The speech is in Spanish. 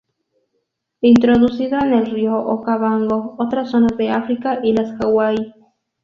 Introducido en el río Okavango, otras zonas de África y las Hawaii.